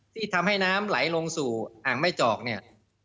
ที่ทำให้น้ำไหลลงสู่อ่างแม่จอกเนี่ย